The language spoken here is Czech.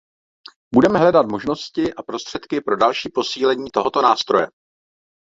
Budeme hledat možnosti a prostředky pro další posílení tohoto nástroje.